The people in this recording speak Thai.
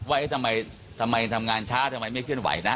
ว่าทำไมทำงานช้าทำไมไม่เคลื่อนไหวนะ